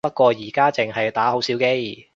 不過而家淨係打好少機